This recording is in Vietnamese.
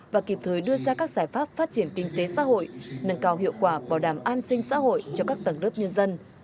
và kịp thời đưa ra các giải pháp phát triển kinh tế xã hội nâng cao hiệu quả bảo đảm an sinh xã hội cho các tầng đất nhân dân